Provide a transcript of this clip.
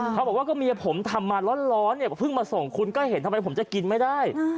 เขาบอกว่าก็เมียผมทำมาร้อนเนี่ยก็เพิ่งมาส่งคุณก็เห็นทำไมผมจะกินไม่ได้